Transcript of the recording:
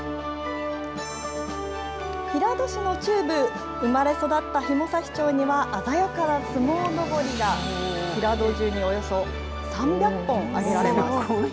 平戸市の中部、生まれ育った紐差町には、鮮やかな相撲のぼりが、平戸中におよそ３００本揚げられます。